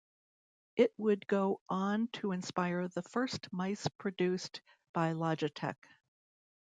It would go on to inspire the first mice produced by Logitech.